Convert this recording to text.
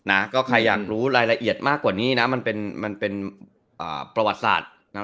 นะก็ใครอยากรู้รายละเอียดมากกว่านี้นะมันเป็นประวัติศาสตร์นะ